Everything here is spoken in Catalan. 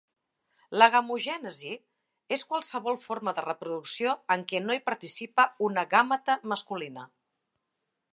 L'agamogènesi és qualsevol forma de reproducció en què no hi participa una gàmeta masculina.